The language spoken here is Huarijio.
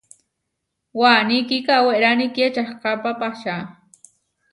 Waní kikawérani kiečahkápa pahča.